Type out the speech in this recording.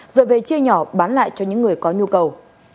rồi về chia nhỏ bán lại cho những người có nhu cầu